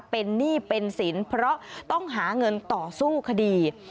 เป็นหนี้เป็นสินเพราะต้องหาเงินต่อสู้คดี